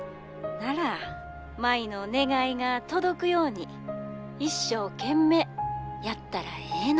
☎なら舞の願いが届くように一生懸命やったらええの。